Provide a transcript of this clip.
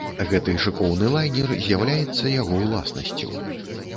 Гэты шыкоўны лайнер з'яўляецца яго ўласнасцю.